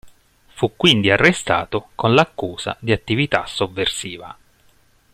Fu quindi arrestato con l'accusa di attività sovversiva.